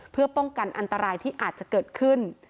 เพื่อป้องกันอันตรายที่อาจจะเกิดขึ้น